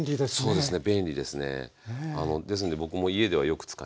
そうですね。